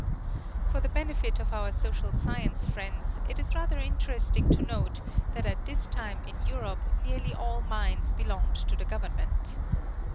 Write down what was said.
For the benefit of our social science friends, it is rather interesting to note that at this time in Europe nearly all mines belonged to the Government.